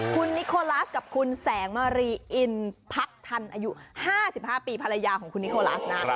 คุณนิโคลาสกับคุณแสงมารีอินพักทันอายุ๕๕ปีภรรยาของคุณนิโคลัสนะ